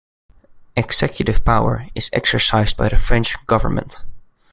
Executive power is exercised by the French government.